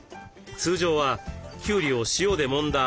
通常はきゅうりを塩でもんだ